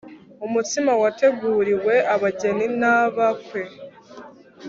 umutsima wateguriwe abageni naba kwe